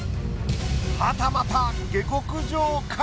はたまた下克上か？